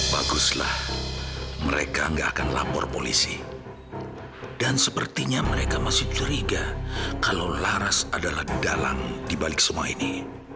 baguslah mereka nggak akan lapor polisi dan sepertinya mereka masih curiga kalau laras adalah dalang dibalik semua ini